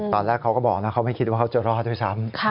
ตอนแรกเขาก็บอกนะเขาไม่คิดว่าเขาจะรอดด้วยซ้ำ